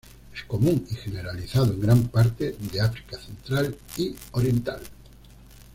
Es común y generalizado en gran parte de África central y oriental.